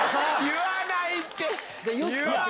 言わないって！